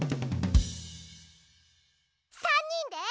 ３にんで。